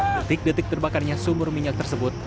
detik detik terbakarnya sumur minyak tersebut